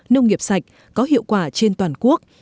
nông nghiệp sạch có hiệu quả trên toàn quốc